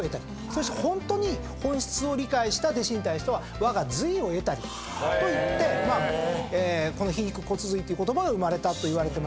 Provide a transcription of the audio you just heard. そしてホントに本質を理解した弟子に対しては我が髄を得たりと言ってこの皮肉骨髄っていう言葉が生まれたといわれてます。